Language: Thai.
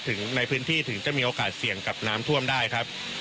ในพื้นที่ถึงจะมีโอกาสเสี่ยงกับน้ำท่วมได้ครับ